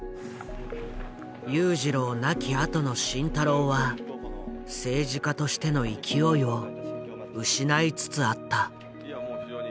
裕次郎亡きあとの慎太郎は政治家としての勢いを失いつつあった。